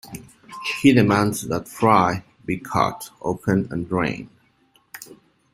He demands that Fry be cut open and drained.